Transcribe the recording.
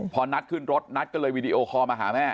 พอนัทขึ้นรถนัทก็เลยวีดีโอคอลมาหาแม่